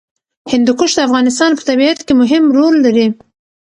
هندوکش د افغانستان په طبیعت کې مهم رول لري.